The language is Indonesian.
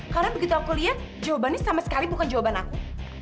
karena begitu aku lihat jawabannya sama sekali bukan jawaban aku